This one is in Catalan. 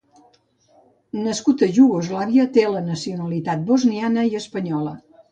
Nascut a Iugoslàvia, té la nacionalitat bosniana i espanyola.